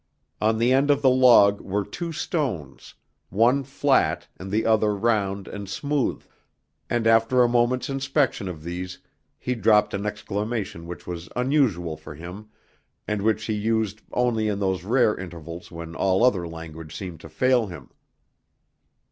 On the end of the log were two stones, one flat and the other round and smooth, and after a moment's inspection of these he dropped an exclamation which was unusual for him, and which he used only in those rare intervals when all other language seemed to fail him.